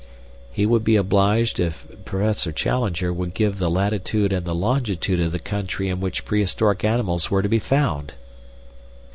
He would be obliged if Professor Challenger would give the latitude and the longitude of the country in which prehistoric animals were to be found.